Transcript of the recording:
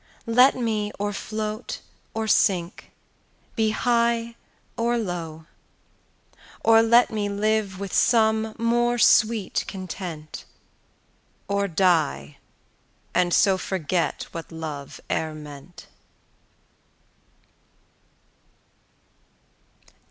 Let me or float or sink, be high or low; Or let me live with some more sweet content, Or die, and so forget what love e'er meant.